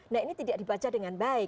nah ini tidak dibaca dengan baik